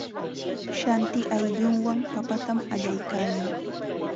Shanti ayllunwan papatam allaykaayan.